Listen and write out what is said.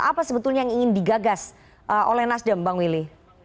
apa sebetulnya yang ingin digagas oleh nasdem bang willy